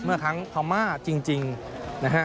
เมื่อครั้งพม่าจริงนะฮะ